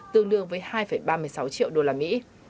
tương đương với hai ba mươi sáu triệu đô la mỹ